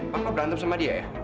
papa berantem sama dia ya